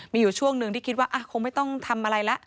มีอยู่ช่วงหนึ่งที่คิดว่าคงไม่ต้องทำอะไรแล้ว